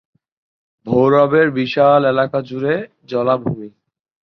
ভৈরবের বিশাল এলাকাজুড়ে জলাভূমি।